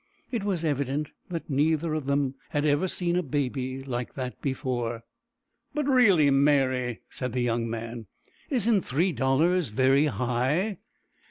It was evident that neither of them had ever seen a baby like that before. "But really, Mary," said the young man, "isn't three dollars very high?"